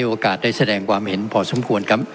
โอกาสได้แสดงความเห็นพอสมควรครับ